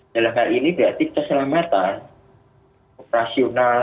dalam hal ini berarti keselamatan operasional